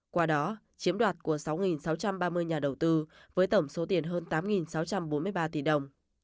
qua đó chiếm đoạt của sáu sáu trăm ba mươi nhà đầu tư với tổng số tiền hơn tám sáu trăm bốn mươi ba tỷ đồng